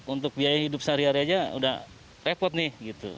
untuk biaya hidup sehari hari saja sudah repot nih